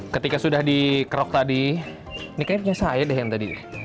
ketika sudah dikerok tadi ini kayaknya punya saya deh yang tadi